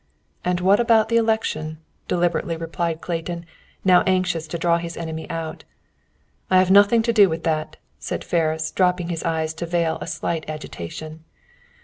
"And what about the election?" deliberately replied Clayton, now anxious to draw his enemy out. "I have nothing to do with that," said Ferris, dropping his eyes to veil a slight agitation.